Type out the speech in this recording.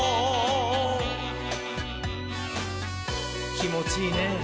きもちいいねぇ。